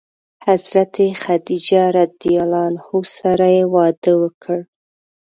حضرت خدیجه رض سره یې واده وکړ.